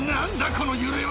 この揺れは。